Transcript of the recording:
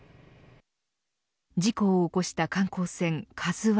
事故を起こした観光船